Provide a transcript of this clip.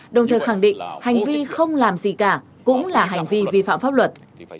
đồng thời khẳng định hành vi không làm gì cả cũng là hành vi vi phạm pháp luật